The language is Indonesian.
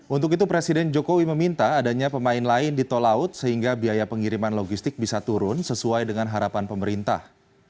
untuk itu presiden jokowi meminta adanya pemain lain di tol laut sehingga biaya pengiriman logistik bisa turun sesuai dengan harapan pemerintah